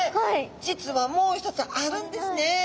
実はもう一つあるんですね。